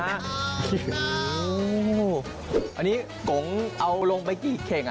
อันนี้โกงเอาร่วงไปกี่เครง